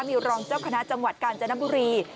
มีรองเจ้าคณะจังหวัดกาญจนบุรี